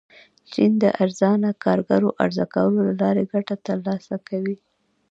چین د ارزانه کارګرو عرضه کولو له لارې ګټه ترلاسه کوي.